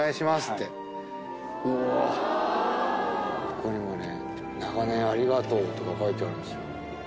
ここにもね「長年ありがとう！」とか書いてあるんですよ。